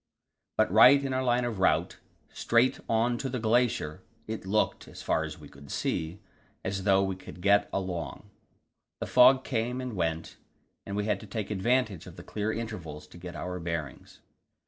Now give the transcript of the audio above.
But right in our line of route straight on to the glacier it looked, as far as we could see, as though we could get along. The fog came and went, and we had to take advantage of the clear intervals to get our bearings.